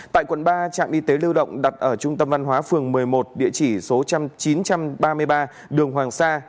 tại quận ba trạm y tế lưu động đặt ở trung tâm văn hóa phường một mươi một địa chỉ số chín trăm ba mươi ba đường hoàng sa